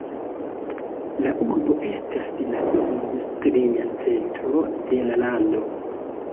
La urbo estas la industria centro de la lando.